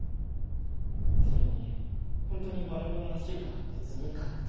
それにホントに悪者らしいから別にいいかなって。